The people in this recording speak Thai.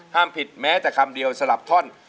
ห้ามผิดแม้แต่คำเดียวสลับท่อน